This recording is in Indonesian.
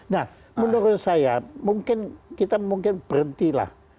nah menurut saya mungkin kita berhenti lah